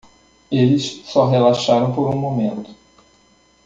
Eles só relaxaram por um momento.